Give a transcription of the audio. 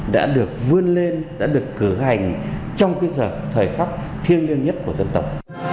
đã được vươn lên đã được cử hành trong cái thời khắc thiêng liêng nhất của dân tộc